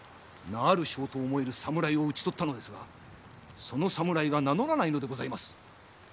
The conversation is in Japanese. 名ある将と思える侍を討ち取ったのですがその侍が名乗らないのでございます。